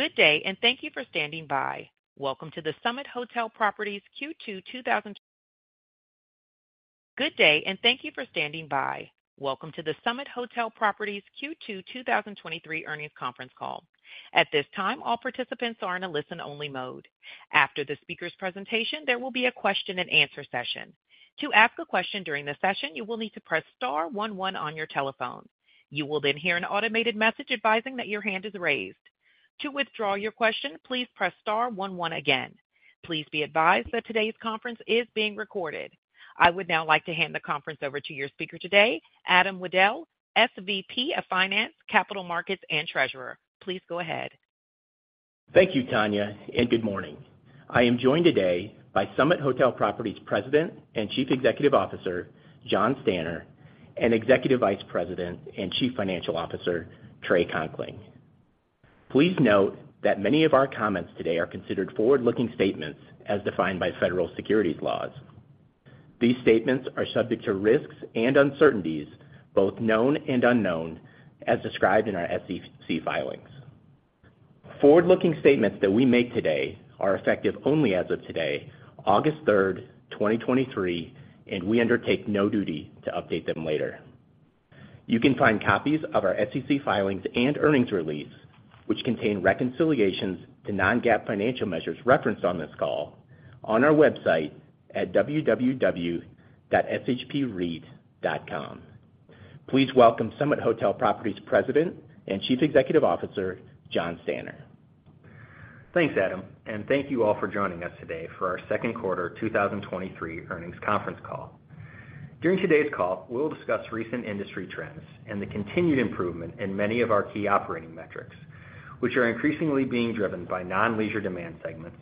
Good day, and thank you for standing by. Welcome to the Summit Hotel Properties Q2 2023... Good day, and thank you for standing by. Welcome to the Summit Hotel Properties Q2 2023 earnings conference call. At this time, all participants are in a listen-only mode. After the speaker's presentation, there will be a question-and-answer session. To ask a question during the session, you will need to press star one one on your telephone. You will then hear an automated message advising that your hand is raised. To withdraw your question, please press star one one again. Please be advised that today's conference is being recorded. I would now like to hand the conference over to your speaker today, Adam Wudel, SVP of Finance, Capital Markets, and Treasurer. Please go ahead. Thank you, Tanya, and good morning. I am joined today by Summit Hotel Properties President and Chief Executive Officer, Jonathan Stanner, and Executive Vice President and Chief Financial Officer, Trey Conkling. Please note that many of our comments today are considered forward-looking statements as defined by federal securities laws. These statements are subject to risks and uncertainties, both known and unknown, as described in our SEC filings. Forward-looking statements that we make today are effective only as of today, August 3, 2023, and we undertake no duty to update them later. You can find copies of our SEC filings and earnings release, which contain reconciliations to non-GAAP financial measures referenced on this call, on our website at www.shpreit.com. Please welcome Summit Hotel Properties President and Chief Executive Officer, Jonathan Stanner. Thanks, Adam, and thank you all for joining us today for our second quarter 2023 earnings conference call. During today's call, we'll discuss recent industry trends and the continued improvement in many of our key operating metrics, which are increasingly being driven by non-leisure demand segments,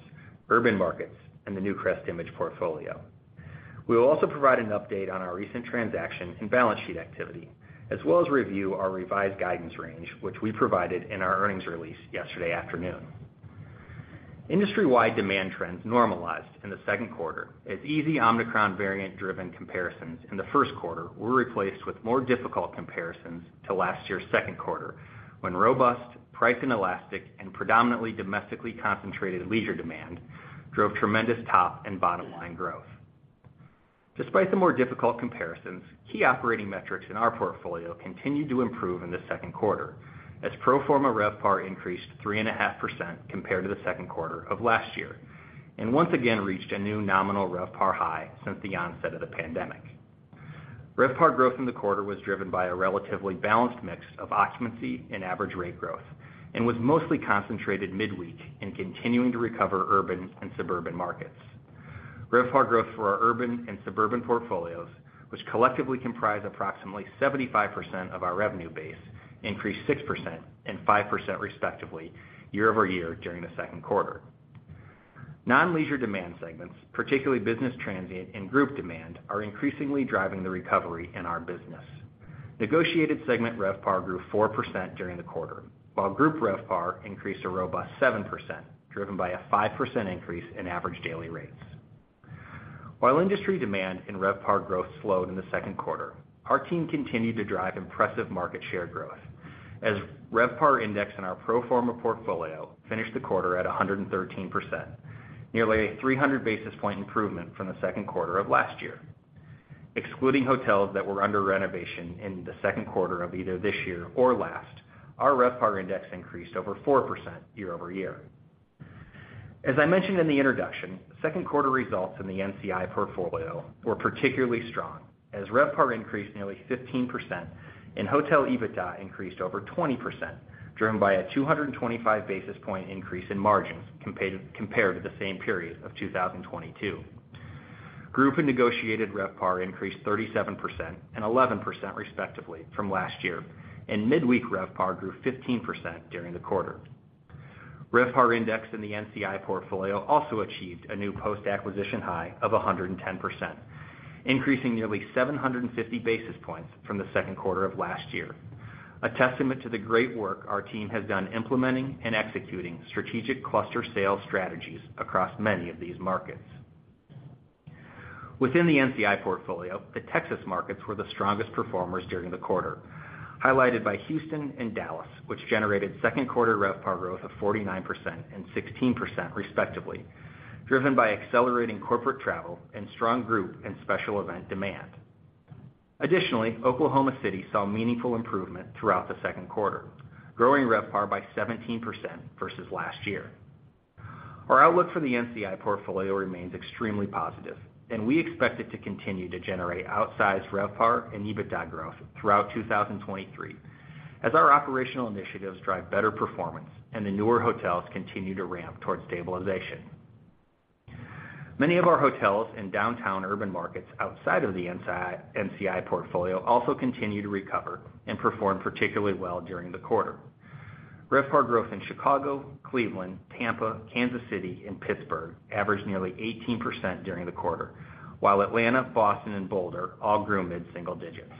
urban markets, and the NewcrestImage portfolio. We will also provide an update on our recent transaction and balance sheet activity, as well as review our revised guidance range, which we provided in our earnings release yesterday afternoon. Industry-wide demand trends normalized in the second quarter as easy Omicron variant-driven comparisons in the first quarter were replaced with more difficult comparisons to last year's second quarter, when robust, price inelastic, and predominantly domestically concentrated leisure demand drove tremendous top and bottom line growth. Despite the more difficult comparisons, key operating metrics in our portfolio continued to improve in the second quarter, as pro forma RevPAR increased 3.5% compared to the second quarter of last year, and once again reached a new nominal RevPAR high since the onset of the pandemic. RevPAR growth in the quarter was driven by a relatively balanced mix of occupancy and average rate growth, and was mostly concentrated midweek in continuing to recover urban and suburban markets. RevPAR growth for our urban and suburban portfolios, which collectively comprise approximately 75% of our revenue base, increased 6% and 5%, respectively, year-over-year during the second quarter. Non-leisure demand segments, particularly business transient and group demand, are increasingly driving the recovery in our business. Negotiated segment RevPAR grew 4% during the quarter, while group RevPAR increased a robust 7%, driven by a 5% increase in average daily rates. While industry demand and RevPAR growth slowed in the second quarter, our team continued to drive impressive market share growth as RevPAR index in our pro forma portfolio finished the quarter at 113%, nearly a 300 basis point improvement from the second quarter of last year. Excluding hotels that were under renovation in the second quarter of either this year or last, our RevPAR index increased over 4% year-over-year. As I mentioned in the introduction, second quarter results in the NCI portfolio were particularly strong, as RevPAR increased nearly 15% and hotel EBITDA increased over 20%, driven by a 225 basis point increase in margins compared to the same period of 2022. Group and negotiated RevPAR increased 37% and 11%, respectively, from last year, and midweek RevPAR grew 15% during the quarter. RevPAR index in the NCI portfolio also achieved a new post-acquisition high of 110%, increasing nearly 750 basis points from the second quarter of last year. A testament to the great work our team has done implementing and executing strategic cluster sales strategies across many of these markets. Within the NCI portfolio, the Texas markets were the strongest performers during the quarter, highlighted by Houston and Dallas, which generated second quarter RevPAR growth of 49% and 16%, respectively, driven by accelerating corporate travel and strong group and special event demand. Additionally, Oklahoma City saw meaningful improvement throughout the second quarter, growing RevPAR by 17% versus last year. Our outlook for the NCI portfolio remains extremely positive, and we expect it to continue to generate outsized RevPAR and EBITDA growth throughout 2023 as our operational initiatives drive better performance and the newer hotels continue to ramp towards stabilization. Many of our hotels in downtown urban markets outside of the NCI portfolio also continue to recover and performed particularly well during the quarter. RevPAR growth in Chicago, Cleveland, Tampa, Kansas City, and Pittsburgh averaged nearly 18% during the quarter, while Atlanta, Boston, and Boulder all grew mid-single digits.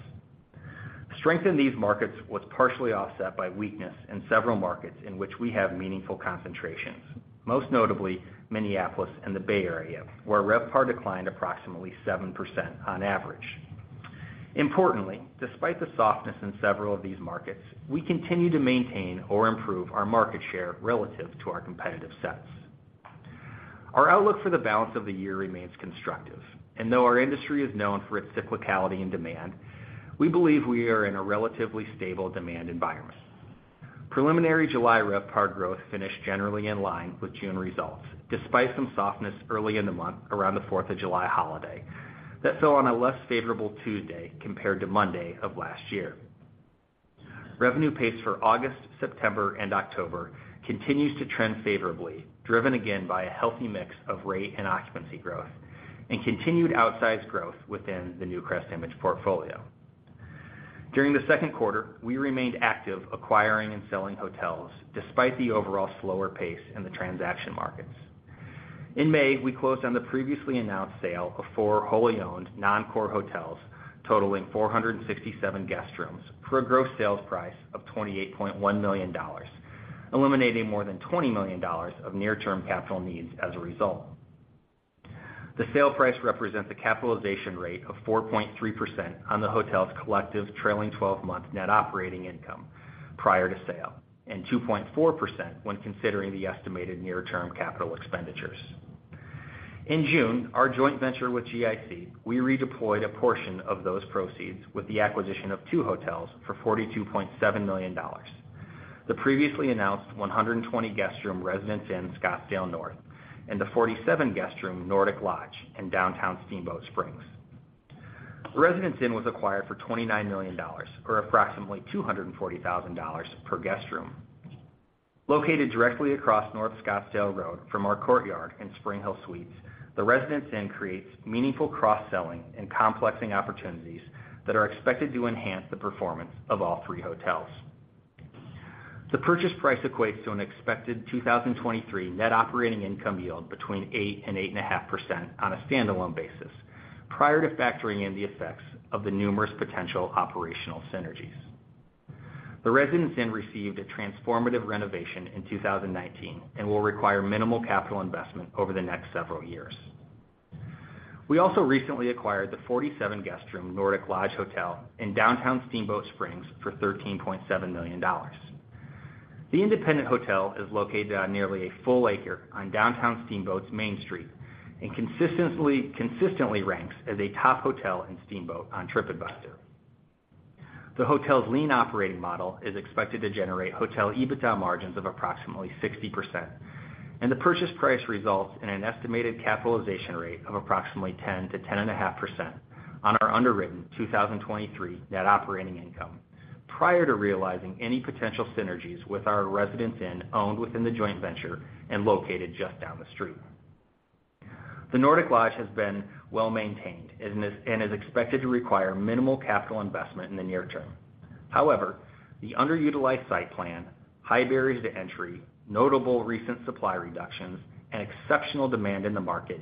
Strength in these markets was partially offset by weakness in several markets in which we have meaningful concentrations, most notably Minneapolis and the Bay Area, where RevPAR declined approximately 7% on average. Importantly, despite the softness in several of these markets, we continue to maintain or improve our market share relative to our competitive sets. Though our industry is known for its cyclicality and demand, we believe we are in a relatively stable demand environment. Preliminary July RevPAR growth finished generally in line with June results, despite some softness early in the month around the Fourth of July holiday, that fell on a less favorable Tuesday compared to Monday of last year. Revenue pace for August, September, and October continues to trend favorably, driven again by a healthy mix of rate and occupancy growth and continued outsized growth within the NewcrestImage portfolio. During the second quarter, we remained active, acquiring and selling hotels, despite the overall slower pace in the transaction markets. In May, we closed on the previously announced sale of four wholly owned non-core hotels, totaling 467 guest rooms, for a gross sales price of $28.1 million, eliminating more than $20 million of near-term capital needs as a result. The sale price represents a capitalization rate of 4.3% on the hotel's collective trailing twelve-month net operating income prior to sale, and 2.4% when considering the estimated near-term capital expenditures. In June, our joint venture with GIC, we redeployed a portion of those proceeds with the acquisition of two hotels for $42.7 million. The previously announced 120 guest room Residence Inn, Scottsdale North, and the 47 guest room Nordic Lodge in downtown Steamboat Springs. The Residence Inn was acquired for $29 million, or approximately $240,000 per guest room. Located directly across North Scottsdale Road from our Courtyard in SpringHill Suites, the Residence Inn creates meaningful cross-selling and complexing opportunities that are expected to enhance the performance of all three hotels. The purchase price equates to an expected 2023 net operating income yield between 8% and 8.5% on a standalone basis, prior to factoring in the effects of the numerous potential operational synergies. The Residence Inn received a transformative renovation in 2019, and will require minimal capital investment over the next several years. We also recently acquired the 47 guest room, Nordic Lodge in downtown Steamboat Springs for $13.7 million. The independent hotel is located on nearly a full acre on downtown Steamboat's Main Street, and consistently, consistently ranks as a top hotel in Steamboat on TripAdvisor. The hotel's lean operating model is expected to generate hotel EBITDA margins of approximately 60%, and the purchase price results in an estimated capitalization rate of approximately 10%-10.5% on our underwritten 2023 net operating income, prior to realizing any potential synergies with our Residence Inn, owned within the joint venture and located just down the street. The Nordic Lodge has been well-maintained and is expected to require minimal capital investment in the near term. The underutilized site plan, high barriers to entry, notable recent supply reductions, and exceptional demand in the market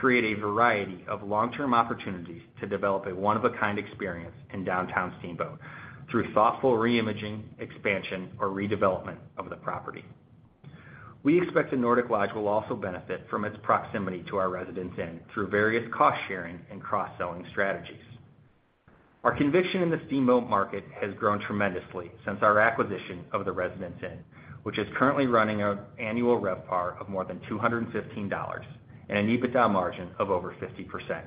create a variety of long-term opportunities to develop a one-of-a-kind experience in downtown Steamboat through thoughtful re-imaging, expansion, or redevelopment of the property. We expect the Nordic Lodge will also benefit from its proximity to our Residence Inn through various cost-sharing and cross-selling strategies. Our conviction in the Steamboat market has grown tremendously since our acquisition of the Residence Inn, which is currently running an annual RevPAR of more than $215 and an EBITDA margin of over 50%.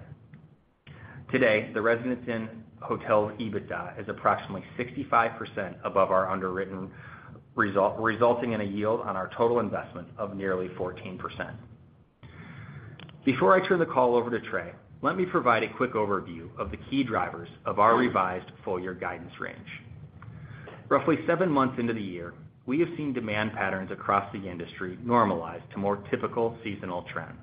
Today, the Residence Inn Hotel's EBITDA is approximately 65% above our underwritten result, resulting in a yield on our total investment of nearly 14%. Before I turn the call over to Trey, let me provide a quick overview of the key drivers of our revised full year guidance range. Roughly 7 months into the year, we have seen demand patterns across the industry normalize to more typical seasonal trends.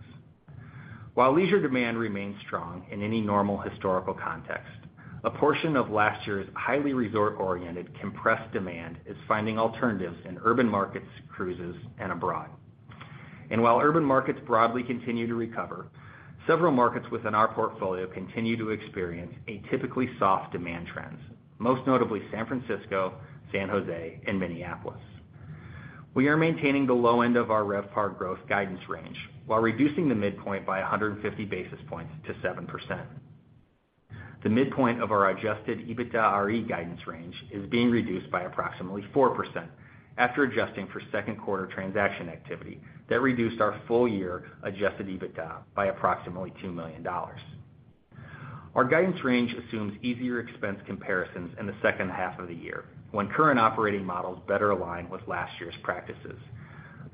While leisure demand remains strong in any normal historical context, a portion of last year's highly resort-oriented, compressed demand is finding alternatives in urban markets, cruises, and abroad. While urban markets broadly continue to recover, several markets within our portfolio continue to experience a typically soft demand trends, most notably San Francisco, San Jose, and Minneapolis. We are maintaining the low end of our RevPAR growth guidance range while reducing the midpoint by 150 basis points to 7%. The midpoint of our adjusted EBITDAre guidance range is being reduced by approximately 4% after adjusting for second quarter transaction activity that reduced our full year adjusted EBITDA by approximately $2 million. Our guidance range assumes easier expense comparisons in the second half of the year, when current operating models better align with last year's practices.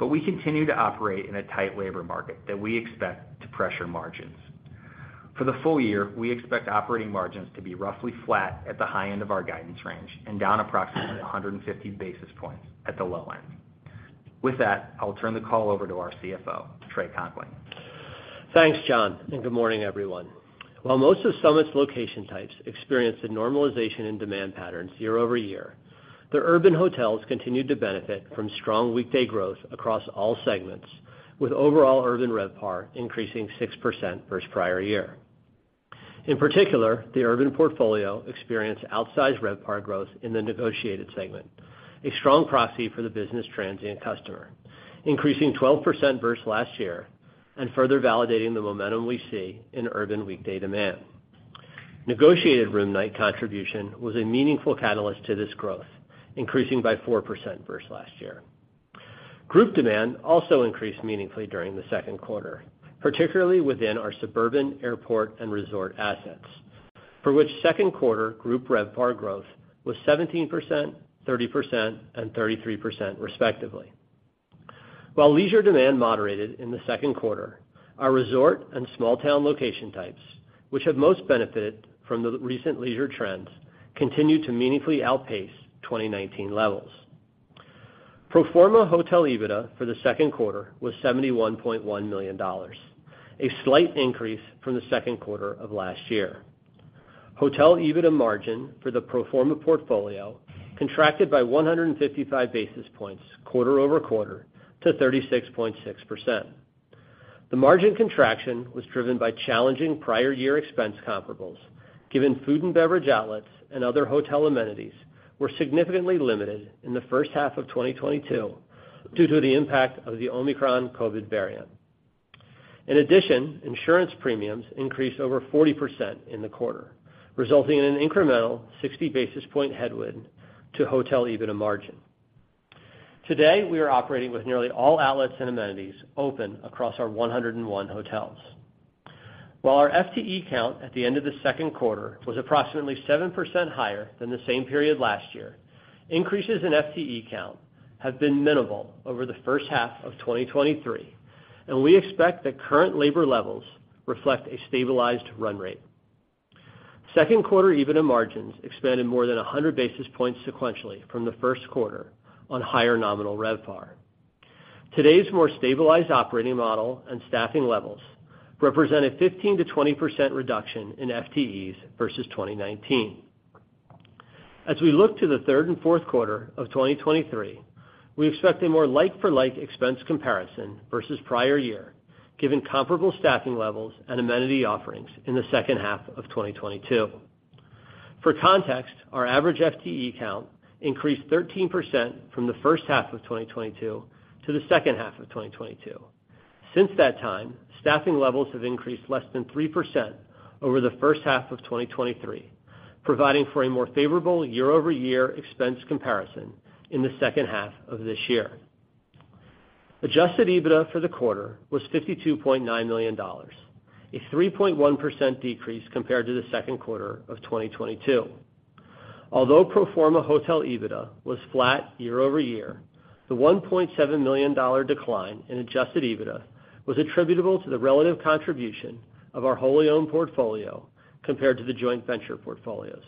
We continue to operate in a tight labor market that we expect to pressure margins. For the full year, we expect operating margins to be roughly flat at the high end of our guidance range and down approximately 150 basis points at the low end. With that, I'll turn the call over to our CFO, Trey Conkling. Thanks, John. Good morning, everyone. While most of Summit's location types experienced a normalization in demand patterns year-over-year, the urban hotels continued to benefit from strong weekday growth across all segments, with overall urban RevPAR increasing 6% versus prior year. In particular, the urban portfolio experienced outsized RevPAR growth in the negotiated segment, a strong proxy for the business transient customer, increasing 12% versus last year. Further validating the momentum we see in urban weekday demand. Negotiated room night contribution was a meaningful catalyst to this growth, increasing by 4% versus last year. Group demand also increased meaningfully during the second quarter, particularly within our suburban, airport, and resort assets, for which second quarter group RevPAR growth was 17%, 30%, and 33% respectively. While leisure demand moderated in the second quarter, our resort and small town location types, which have most benefited from the recent leisure trends, continued to meaningfully outpace 2019 levels. Pro forma hotel EBITDA for the second quarter was $71.1 million, a slight increase from the second quarter of last year. Hotel EBITDA margin for the pro forma portfolio contracted by 155 basis points quarter-over-quarter to 36.6%. The margin contraction was driven by challenging prior year expense comparables, given food and beverage outlets and other hotel amenities were significantly limited in the first half of 2022 due to the impact of the Omicron COVID variant. Insurance premiums increased over 40% in the quarter, resulting in an incremental 60 basis point headwind to hotel EBITDA margin. Today, we are operating with nearly all outlets and amenities open across our 101 hotels. While our FTE count at the end of the second quarter was approximately 7% higher than the same period last year, increases in FTE count have been minimal over the first half of 2023, and we expect that current labor levels reflect a stabilized run rate. Second quarter EBITDA margins expanded more than 100 basis points sequentially from the first quarter on higher nominal RevPAR. Today's more stabilized operating model and staffing levels represent a 15%-20% reduction in FTEs versus 2019. As we look to the third and fourth quarter of 2023, we expect a more like-for-like expense comparison versus prior year, given comparable staffing levels and amenity offerings in the second half of 2022. For context, our average FTE count increased 13% from the first half of 2022 to the second half of 2022. Since that time, staffing levels have increased less than 3% over the first half of 2023, providing for a more favorable year-over-year expense comparison in the second half of this year. Adjusted EBITDA for the quarter was $52.9 million, a 3.1% decrease compared to the second quarter of 2022. Pro forma hotel EBITDA was flat year-over-year, the $1.7 million decline in adjusted EBITDA was attributable to the relative contribution of our wholly owned portfolio compared to the joint venture portfolios,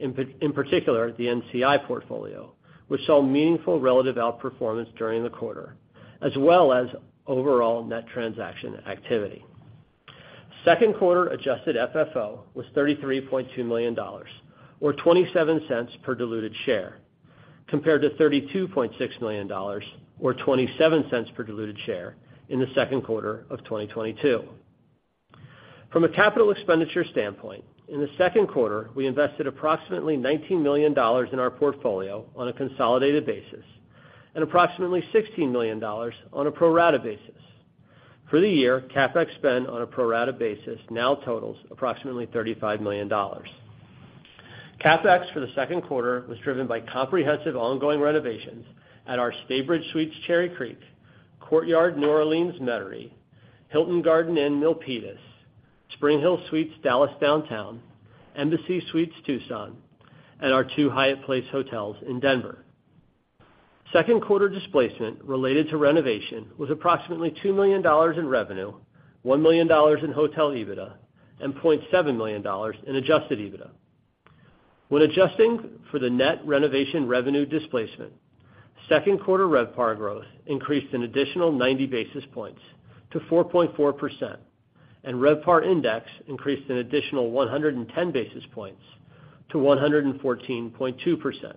in particular, the NCI portfolio, which saw meaningful relative outperformance during the quarter, as well as overall net transaction activity. Second quarter adjusted FFO was $33.2 million, or $0.27 per diluted share, compared to $32.6 million, or $0.27 per diluted share in the second quarter of 2022. From a capital expenditure standpoint, in the second quarter, we invested approximately $19 million in our portfolio on a consolidated basis and approximately $16 million on a pro rata basis. For the year, CapEx spend on a pro rata basis now totals approximately $35 million. CapEx for the second quarter was driven by comprehensive ongoing renovations at our Staybridge Suites, Cherry Creek, Courtyard, New Orleans, Metairie, Hilton Garden Inn, Milpitas, SpringHill Suites, Dallas Downtown, Embassy Suites, Tucson, and our two Hyatt Place hotels in Denver. Second quarter displacement related to renovation was approximately $2 million in revenue, $1 million in hotel EBITDA, and $0.7 million in adjusted EBITDA. When adjusting for the net renovation revenue displacement, second quarter RevPAR growth increased an additional 90 basis points to 4.4%, and RevPAR index increased an additional 110 basis points to 114.2%.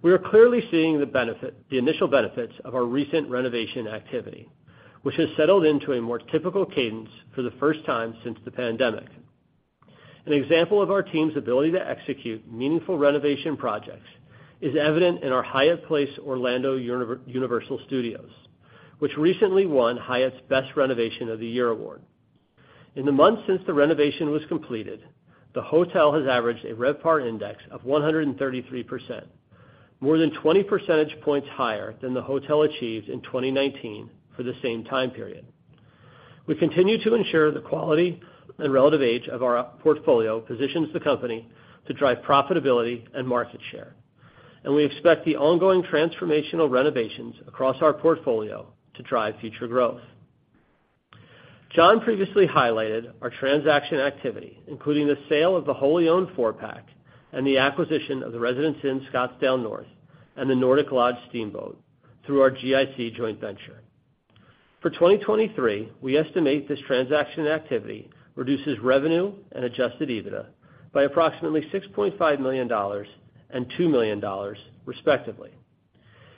We are clearly seeing the initial benefits of our recent renovation activity, which has settled into a more typical cadence for the first time since the pandemic. An example of our team's ability to execute meaningful renovation projects is evident in our Hyatt Place, Orlando Universal Studios, which recently won Hyatt's Best Renovation of the Year award. In the months since the renovation was completed, the hotel has averaged a RevPAR index of 133%, more than 20 percentage points higher than the hotel achieved in 2019 for the same time period. We expect the ongoing transformational renovations across our portfolio to drive future growth. John previously highlighted our transaction activity, including the sale of the wholly owned four-pack and the acquisition of the Residence Inn, Scottsdale North, and the Nordic Lodge Steamboat, through our GIC joint venture. For 2023, we estimate this transaction activity reduces revenue and adjusted EBITDA by approximately $6.5 million and $2 million, respectively.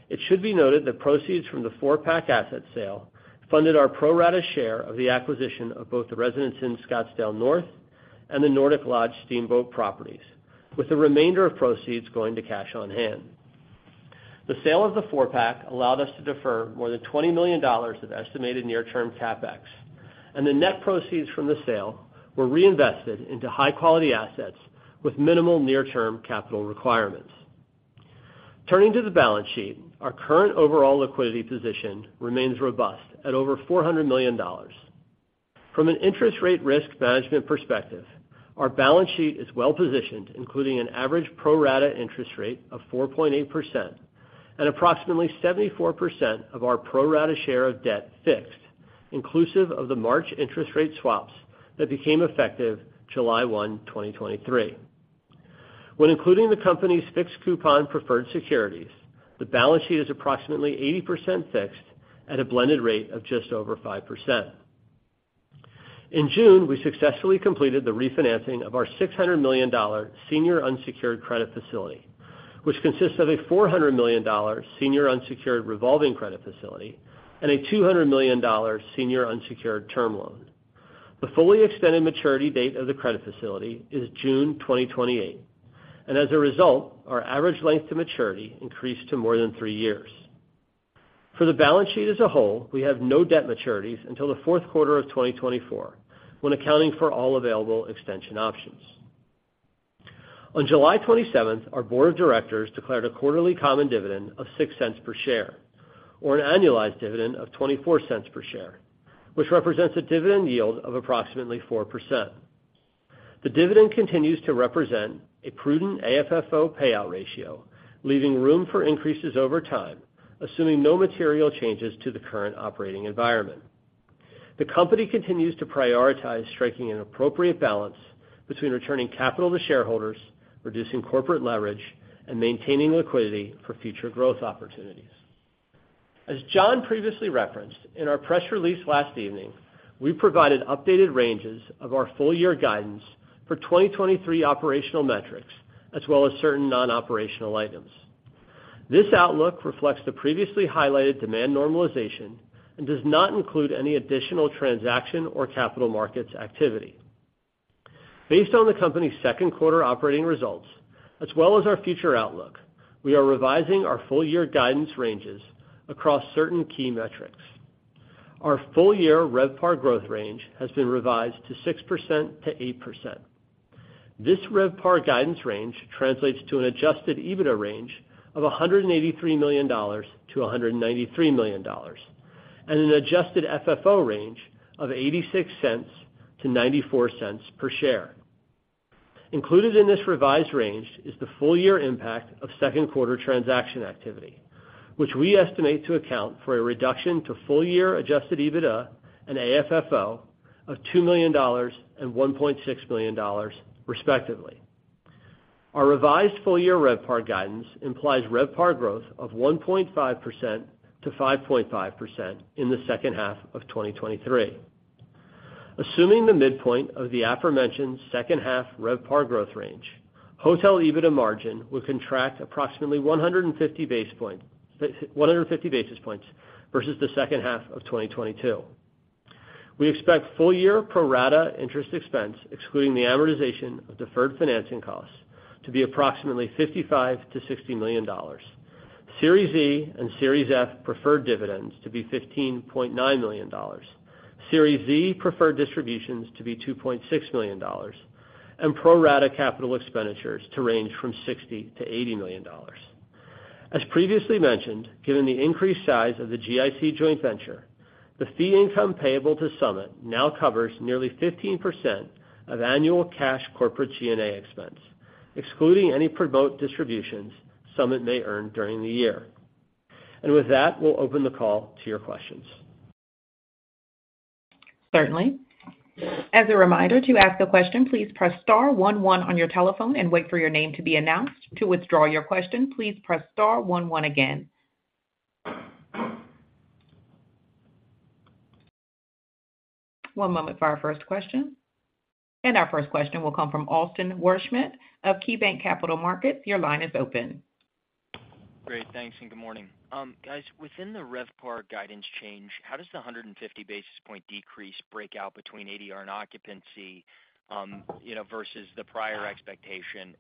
It should be noted that proceeds from the four-pack asset sale funded our pro rata share of the acquisition of both the Residence Inn, Scottsdale North, and the Nordic Lodge Steamboat properties, with the remainder of proceeds going to cash on hand. The sale of the four-pack allowed us to defer more than $20 million of estimated near-term CapEx, and the net proceeds from the sale were reinvested into high-quality assets with minimal near-term capital requirements. Turning to the balance sheet, our current overall liquidity position remains robust at over $400 million. From an interest rate risk management perspective, our balance sheet is well positioned, including an average pro rata interest rate of 4.8% and approximately 74% of our pro rata share of debt fixed, inclusive of the March interest rate swaps that became effective July 1, 2023. When including the company's fixed coupon preferred securities, the balance sheet is approximately 80% fixed at a blended rate of just over 5%. In June, we successfully completed the refinancing of our $600 million senior unsecured credit facility, which consists of a $400 million senior unsecured revolving credit facility and a $200 million senior unsecured term loan. The fully extended maturity date of the credit facility is June 2028, and as a result, our average length to maturity increased to more than 3 years. For the balance sheet as a whole, we have no debt maturities until the fourth quarter of 2024, when accounting for all available extension options. On July 27th, our board of directors declared a quarterly common dividend of $0.06 per share, or an annualized dividend of $0.24 per share, which represents a dividend yield of approximately 4%. The dividend continues to represent a prudent AFFO payout ratio, leaving room for increases over time, assuming no material changes to the current operating environment. The company continues to prioritize striking an appropriate balance between returning capital to shareholders, reducing corporate leverage, and maintaining liquidity for future growth opportunities. As John previously referenced in our press release last evening, we provided updated ranges of our full year guidance for 2023 operational metrics, as well as certain non-operational items. This outlook reflects the previously highlighted demand normalization and does not include any additional transaction or capital markets activity. Based on the company's second quarter operating results, as well as our future outlook, we are revising our full year guidance ranges across certain key metrics. Our full year RevPAR growth range has been revised to 6%-8%. This RevPAR guidance range translates to an adjusted EBITDA range of $183 million-$193 million, and an adjusted FFO range of $0.86-$0.94 per share. Included in this revised range is the full year impact of second quarter transaction activity, which we estimate to account for a reduction to full year adjusted EBITDA and AFFO of $2 million and $1.6 million, respectively. Our revised full year RevPAR guidance implies RevPAR growth of 1.5%-5.5% in the second half of 2023. Assuming the midpoint of the aforementioned second half RevPAR growth range, hotel EBITDA margin will contract approximately 150 basis points versus the second half of 2022. We expect full year pro rata interest expense, excluding the amortization of deferred financing costs, to be approximately $55 million-$60 million. Series E and Series F preferred dividends to be $15.9 million, Series Z preferred distributions to be $2.6 million, and pro rata capital expenditures to range from $60 million-$80 million. As previously mentioned, given the increased size of the GIC joint venture, the fee income payable to Summit now covers nearly 15% of annual cash corporate G&A expense, excluding any pro rata distributions Summit may earn during the year. With that, we'll open the call to your questions. Certainly. As a reminder, to ask a question, please press star 11 on your telephone and wait for your name to be announced. To withdraw your question, please press star 11 again. 1 moment for our 1st question. Our 1st question will come from Austin Wurschmidt of KeyBanc Capital Markets. Your line is open. Great, thanks, good morning. Guys, within the RevPAR guidance change, how does the 150 basis point decrease break out between ADR and occupancy, you know, versus the prior expectation?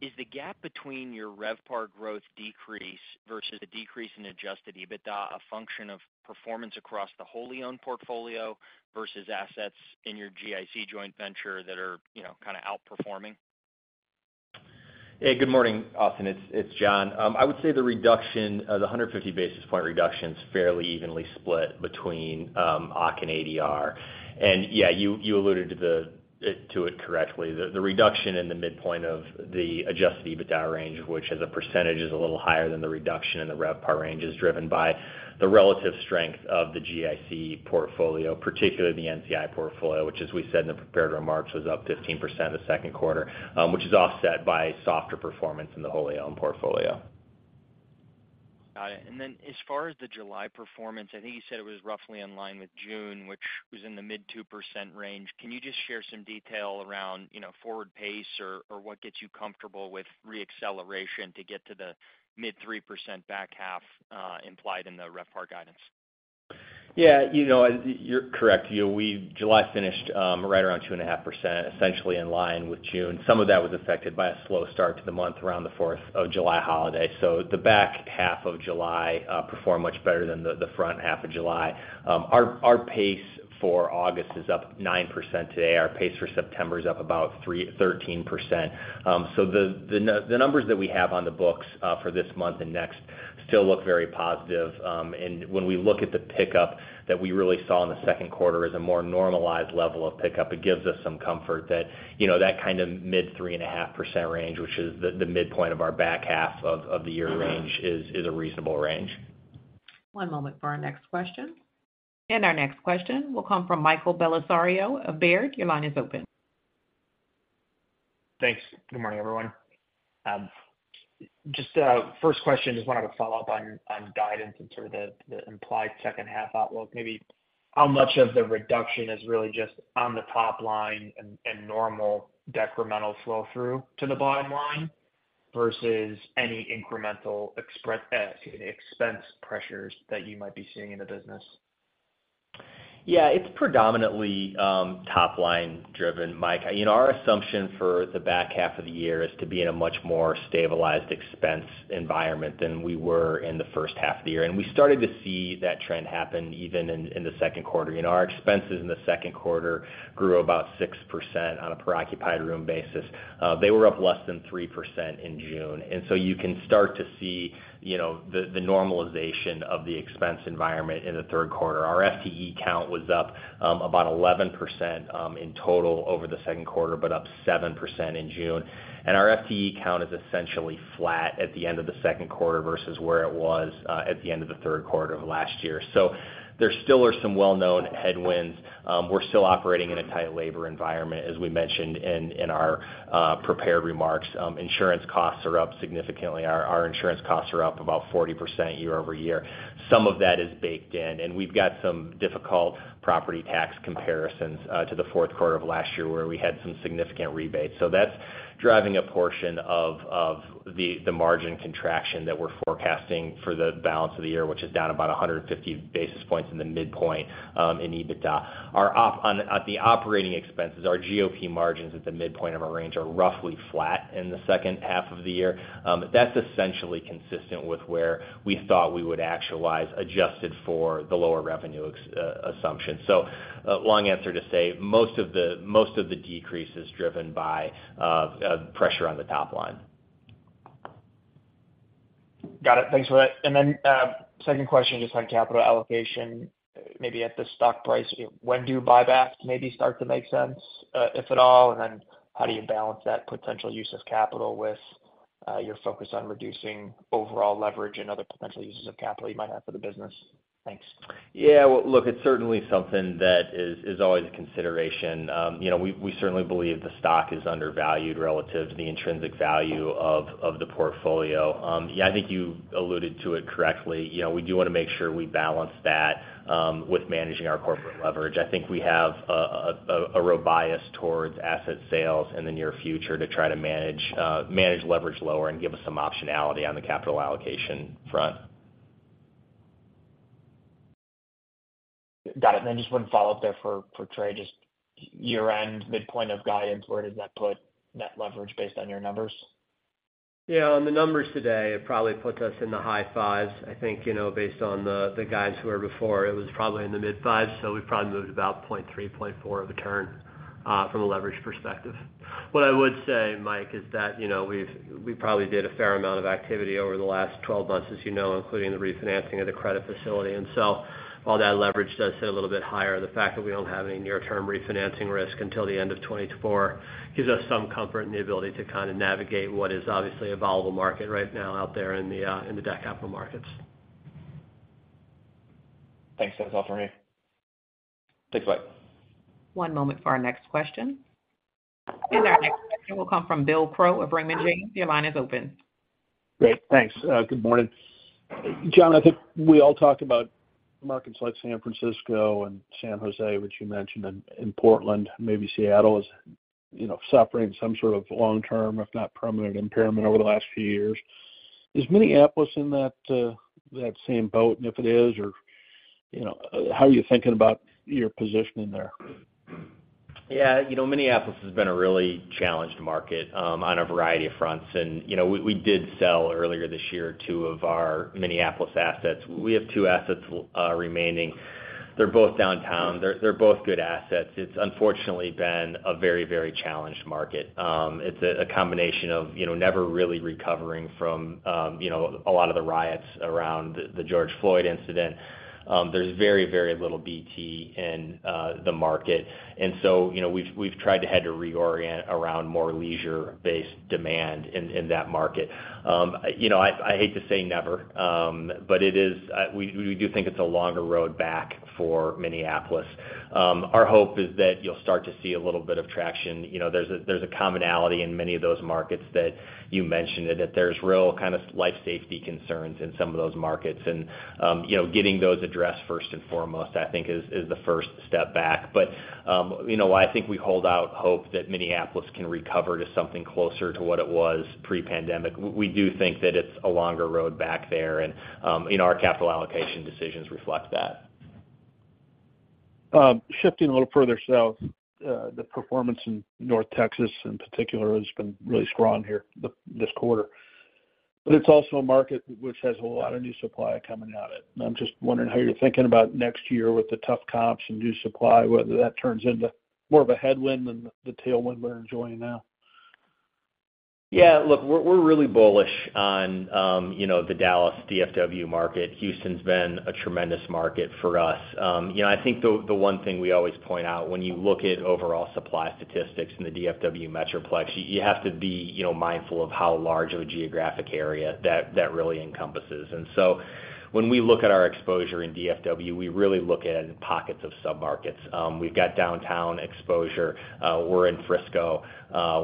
Is the gap between your RevPAR growth decrease versus the decrease in adjusted EBITDA a function of performance across the wholly owned portfolio versus assets in your GIC joint venture that are, you know, kind of outperforming? Hey, good morning, Austin. It's, it's John. I would say the reduction, the 150 basis point reduction is fairly evenly split between OCC and ADR. Yeah, you, you alluded to it correctly. The reduction in the midpoint of the adjusted EBITDA range, which as a percentage, is a little higher than the reduction in the RevPAR range, is driven by the relative strength of the GIC portfolio, particularly the NCI portfolio, which, as we said in the prepared remarks, was up 15% in the second quarter, which is offset by softer performance in the wholly owned portfolio. Got it. Then as far as the July performance, I think you said it was roughly in line with June, which was in the mid 2% range. Can you just share some detail around, you know, forward pace or, or what gets you comfortable with re-acceleration to get to the mid 3% back half implied in the RevPAR guidance? Yeah, you know, you're correct. You know, July finished right around 2.5%, essentially in line with June. Some of that was affected by a slow start to the month around the Fourth of July holiday. The back half of July performed much better than the front half of July. Our pace for August is up 9% today. Our pace for September is up about 13%. The numbers that we have on the books for this month and next still look very positive. When we look at the pickup that we really saw in the second quarter as a more normalized level of pickup, it gives us some comfort that, you know, that kind of mid 3.5% range, which is the, the midpoint of our back half of, of the year range, is, is a reasonable range. One moment for our next question. Our next question will come from Michael Bellisario of Baird. Your line is open. Thanks. Good morning, everyone. Just a first question, just wanted to follow up on, on guidance and sort of the, the implied second half outlook. Maybe how much of the reduction is really just on the top line and, and normal decremental flow through to the bottom line versus any incremental expense pressures that you might be seeing in the business? Yeah, it's predominantly, top line driven, Mike. You know, our assumption for the back half of the year is to be in a much more stabilized expense environment than we were in the first half of the year, and we started to see that trend happen even in, in the second quarter. You know, our expenses in the second quarter grew about 6% on a per occupied room basis. They were up less than 3% in June, and so you can start to see, you know, the, the normalization of the expense environment in the third quarter. Our FTE count was up about 11% in total over the second quarter, but up 7% in June. Our FTE count is essentially flat at the end of the second quarter versus where it was at the end of the third quarter of last year. There still are some well-known headwinds. We're still operating in a tight labor environment, as we mentioned in, in our prepared remarks. Insurance costs are up significantly. Our insurance costs are up about 40% year-over-year. Some of that is baked in, and we've got some difficult property tax comparisons to the fourth quarter of last year, where we had some significant rebates. That's driving a portion of, of the, the margin contraction that we're forecasting for the balance of the year, which is down about 150 basis points in the midpoint in EBITDA. At the operating expenses, our GOP margins at the midpoint of our range are roughly flat in the second half of the year. That's essentially consistent with where we thought we would actualize, adjusted for the lower revenue assumption. Long answer to say, most of the decrease is driven by pressure on the top line. Got it. Thanks for that. Then, second question, just on capital allocation, maybe at the stock price, when do buybacks maybe start to make sense, if at all? Then how do you balance that potential use of capital with your focus on reducing overall leverage and other potential uses of capital you might have for the business? Thanks. Yeah. Well, look, it's certainly something that is, is always a consideration. You know, we, we certainly believe the stock is undervalued relative to the intrinsic value of, of the portfolio. Yeah, I think you alluded to it correctly. You know, we do want to make sure we balance that with managing our corporate leverage. I think we have a bias towards asset sales in the near future to try to manage leverage lower and give us some optionality on the capital allocation front. Got it. Then just 1 follow-up there for, for Trey. Just year-end, midpoint of guidance, where does that put net leverage based on your numbers? Yeah, on the numbers today, it probably puts us in the high 5s. I think, you know, based on the, the guides were before, it was probably in the mid 5s, so we've probably moved about 0.3, 0.4 of a turn from a leverage perspective. What I would say, Mike, is that, you know, we probably did a fair amount of activity over the last 12 months, as you know, including the refinancing of the credit facility. While that leverage does sit a little bit higher, the fact that we don't have any near-term refinancing risk until the end of 2024, gives us some comfort in the ability to kind of navigate what is obviously a volatile market right now out there in the debt capital markets. Thanks. That's all for me. Thanks, Mike. One moment for our next question. Our next question will come from Bill Crow of Raymond James. Your line is open. Great. Thanks. Good morning. John, I think we all talked about markets like San Francisco and San Jose, which you mentioned, and Portland, maybe Seattle, is, you know, suffering some sort of long-term, if not permanent, impairment over the last few years. Is Minneapolis in that, that same boat? If it is, or, you know, how are you thinking about your positioning there? Yeah, you know, Minneapolis has been a really challenged market, on a variety of fronts. You know, we did sell earlier this year, two of our Minneapolis assets. We have two assets remaining. They're both downtown. They're both good assets. It's unfortunately been a very, very challenged market. It's a combination of, you know, never really recovering from, you know, a lot of the riots around the George Floyd incident. There's very, very little BT in the market, so, you know, we've tried to had to reorient around more leisure-based demand in that market. You know, I hate to say never, but it is we do think it's a longer road back for Minneapolis. Our hope is that you'll start to see a little bit of traction. You know, there's a, there's a commonality in many of those markets that you mentioned, that there's real kind of life safety concerns in some of those markets. You know, getting those addressed first and foremost, I think is, is the first step back. You know, I think we hold out hope that Minneapolis can recover to something closer to what it was pre-pandemic. We do think that it's a longer road back there, and our capital allocation decisions reflect that. Shifting a little further south, the performance in North Texas, in particular, has been really strong here this quarter. It's also a market which has a lot of new supply coming at it. I'm just wondering how you're thinking about next year with the tough comps and new supply, whether that turns into more of a headwind than the tailwind we're enjoying now. Yeah, look, we're, we're really bullish on, you know, the Dallas DFW market. Houston's been a tremendous market for us. You know, I think the, the one thing we always point out when you look at overall supply statistics in the DFW metroplex, you, you have to be, you know, mindful of how large of a geographic area that, that really encompasses. So when we look at our exposure in DFW, we really look at pockets of submarkets. We've got downtown exposure, we're in Frisco,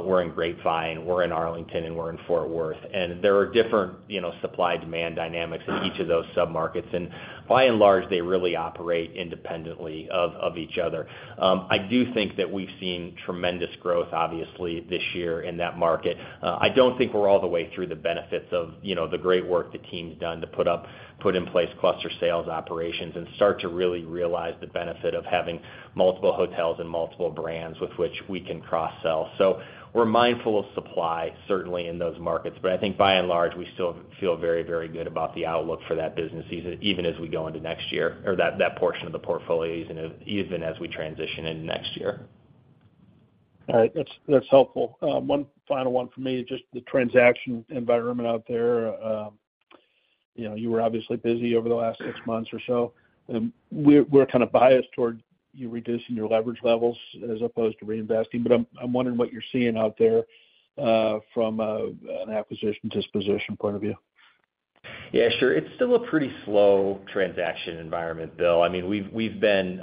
we're in Grapevine, we're in Arlington, and we're in Fort Worth. There are different, you know, supply-demand dynamics in each of those submarkets, and by and large, they really operate independently of, of each other. I do think that we've seen tremendous growth, obviously, this year in that market. I don't think we're all the way through the benefits of, you know, the great work the team's done to put in place cluster sales operations and start to really realize the benefit of having multiple hotels and multiple brands with which we can cross-sell. We're mindful of supply, certainly in those markets, I think by and large, we still feel very, very good about the outlook for that business, even, even as we go into next year, or that, that portion of the portfolio, even as, even as we transition into next year. All right. That's, that's helpful. One final one for me, just the transaction environment out there. You know, you were obviously busy over the last six months or so. We're, we're kind of biased toward you reducing your leverage levels as opposed to reinvesting, but I'm, I'm wondering what you're seeing out there, from a, an acquisition, disposition point of view. Yeah, sure. It's still a pretty slow transaction environment, Bill. I mean, we've, we've been,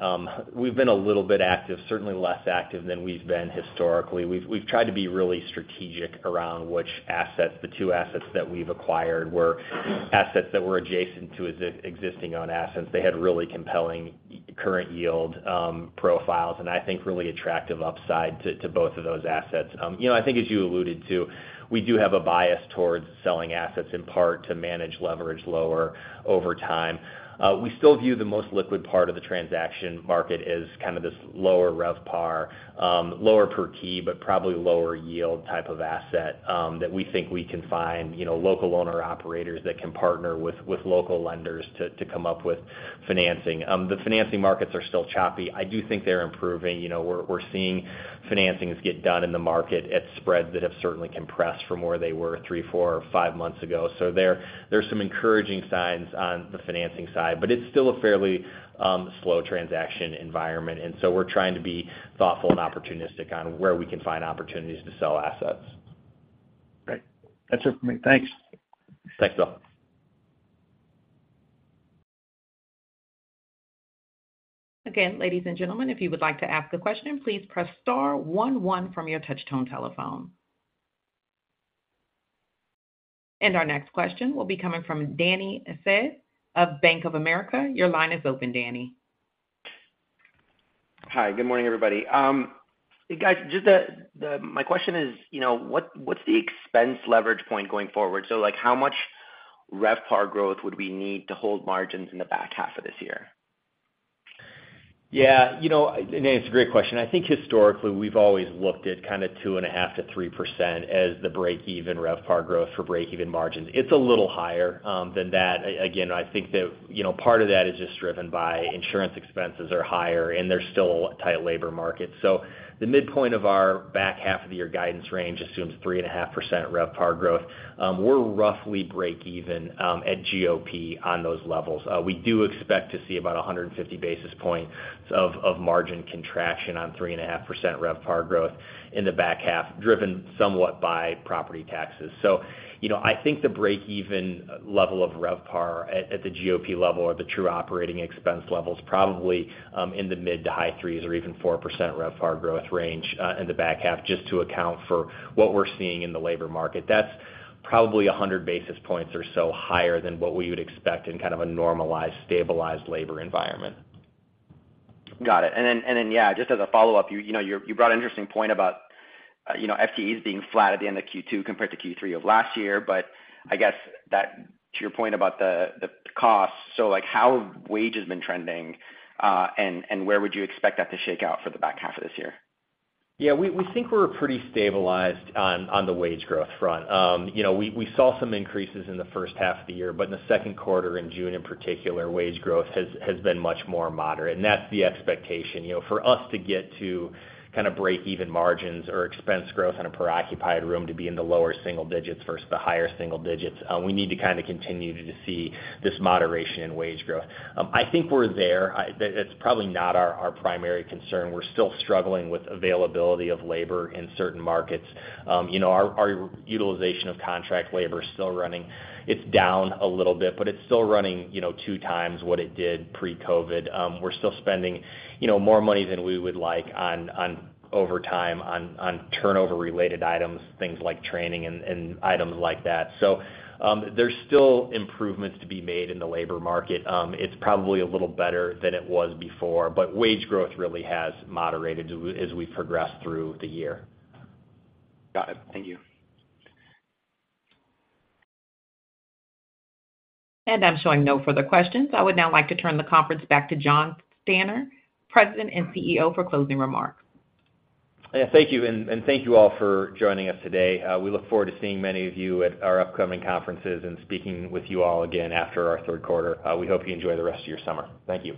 we've been a little bit active, certainly less active than we've been historically. We've, we've tried to be really strategic around which assets. The two assets that we've acquired were assets that were adjacent to existing on assets. They had really compelling current yield, profiles, and I think really attractive upside to, to both of those assets. You know, I think as you alluded to, we do have a bias towards selling assets, in part to manage leverage lower over time. We still view the most liquid part of the transaction market as kind of this lower RevPAR, lower per key, but probably lower yield type of asset, that we think we can find, you know, local owner operators that can partner with, with local lenders to, to come up with financing. The financing markets are still choppy. I do think they're improving. You know, we're, we're seeing financings get done in the market at spreads that have certainly compressed from where they were 3, 4, or 5 months ago. There, there's some encouraging signs on the financing side, but it's still a fairly slow transaction environment, and so we're trying to be thoughtful and opportunistic on where we can find opportunities to sell assets. Great. That's it for me. Thanks. Thanks, Bill. Again, ladies and gentlemen, if you would like to ask a question, please press star one one from your touch tone telephone. Our next question will be coming from Dany Asad of Bank of America. Your line is open, Danny. Hi, good morning, everybody. Guys, just my question is, you know, what, what's the expense leverage point going forward? Like, how much RevPAR growth would we need to hold margins in the back half of this year? Yeah, you know, it's a great question. I think historically, we've always looked at kind of 2.5%-3% as the break even RevPAR growth for break even margins. It's a little higher than that. Again, I think that, you know, part of that is just driven by insurance expenses are higher, and they're still a tight labor market. The midpoint of our back half of the year guidance range assumes 3.5% RevPAR growth. We're roughly break even at GOP on those levels. We do expect to see about 150 basis points of margin contraction on 3.5% RevPAR growth in the back half, driven somewhat by property taxes. You know, I think the break even level of RevPAR at, at the GOP level or the true operating expense level, is probably in the mid to high threes or even 4% RevPAR growth range in the back half, just to account for what we're seeing in the labor market. That's probably 100 basis points or so higher than what we would expect in kind of a normalized, stabilized labor environment. Got it. Yeah, just as a follow-up, you know, you, you brought an interesting point about, you know, FTEs being flat at the end of Q2 compared to Q3 of last year. I guess that, to your point about the, the cost, so like, how have wages been trending, and, and where would you expect that to shake out for the back half of this year? Yeah, we, we think we're pretty stabilized on, on the wage growth front. You know, we, we saw some increases in the first half of the year, but in the second quarter, in June, in particular, wage growth has, has been much more moderate, and that's the expectation, you know, for us to get to kind of break even margins or expense growth on a per occupied room to be in the lower single digits versus the higher single digits. We need to kind of continue to see this moderation in wage growth. I think we're there. That's probably not our, our primary concern. We're still struggling with availability of labor in certain markets. You know, our, our utilization of contract labor is still running. It's down a little bit, but it's still running, you know, two times what it did pre-COVID. We're still spending, you know, more money than we would like on, on overtime, on, on turnover-related items, things like training and, and items like that. There's still improvements to be made in the labor market. It's probably a little better than it was before, but wage growth really has moderated as we, as we progress through the year. Got it. Thank you. I'm showing no further questions. I would now like to turn the conference back to Jonathan Stanner, President and CEO, for closing remarks. Yeah, thank you. Thank you all for joining us today. We look forward to seeing many of you at our upcoming conferences and speaking with you all again after our third quarter. We hope you enjoy the rest of your summer. Thank you.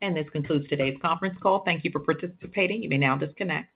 This concludes today's conference call. Thank you for participating. You may now disconnect.